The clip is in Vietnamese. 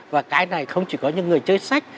và cái này không chỉ có những người chơi sách